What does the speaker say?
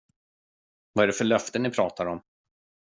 Vad är det för löfte ni pratar om?